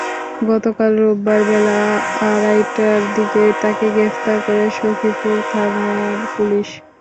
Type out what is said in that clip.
গতকাল রোববার বেলা আড়াইটার দিকে তাঁকে গ্রেপ্তার করে সখীপুর থানার পুলিশ।